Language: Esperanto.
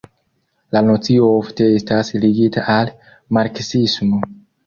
La nocio ofte estas ligita al marksismo.